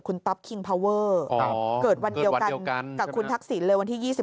คุณต๊อปคิงพาวเวอร์เกิดวันเดียวกันกับคุณทักษิณเลยวันที่๒๒